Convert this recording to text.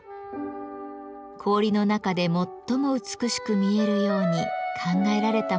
氷の中で最も美しく見えるように考えられたものなのです。